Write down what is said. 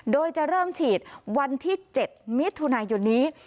โดยจะเริ่มฉีดวันที่๗มิถุนายนนี้